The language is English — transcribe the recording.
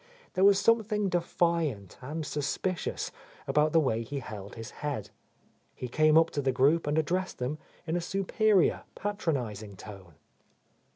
There was something defiant and suspicious about the way he held his head. He came up to the group and addressed them in a superior, patronizing tone.